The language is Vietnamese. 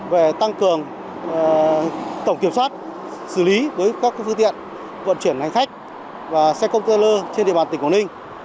về tăng cường tổng kiểm soát xử lý đối với các phương tiện vận chuyển hành khách và xe công tơ lơ trên địa bàn tỉnh quảng ninh